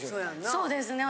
そうですね